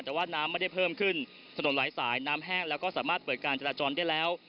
แต่ว่าน้ำไม่ได้เพิ่มขึ้นถนนหลายสายน้ำแห้งแล้วก็สามารถเปิดการจราจรได้แล้ว